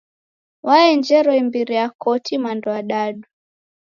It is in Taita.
Waenjero imbiri ya koti mando adadu.